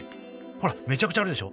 ほらめちゃくちゃあるでしょ。